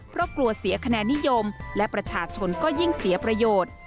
เพราะกลัวเสียคะแนนนิยมและประชาชนก็ยิ่งเสียประโยชน์